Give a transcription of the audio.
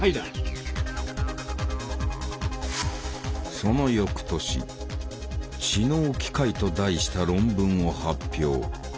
その翌年「知能機械」と題した論文を発表。